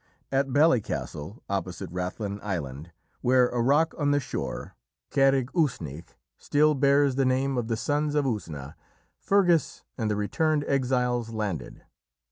At Ballycastle, opposite Rathlin Island, where a rock on the shore ("Carraig Uisneach") still bears the name of the Sons of Usna, Fergus and the returned exiles landed.